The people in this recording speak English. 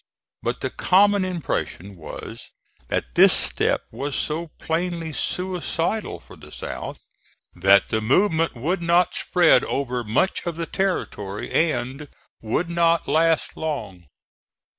But the common impression was that this step was so plainly suicidal for the South, that the movement would not spread over much of the territory and would not last long.